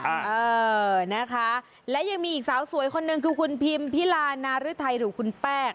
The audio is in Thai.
เออนะคะและยังมีอีกสาวสวยคนหนึ่งคือคุณพิมพิลานารึทัยหรือคุณแป้ง